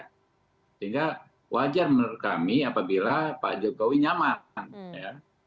sehingga wajar menurut kami apabila pak jokowi nyaman ya